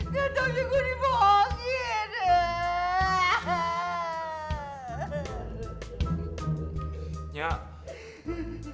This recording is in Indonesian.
gak tahu juga dibohongin